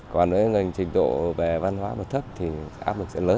còn trình độ về văn hóa mà thấp thì áp lực sẽ lớn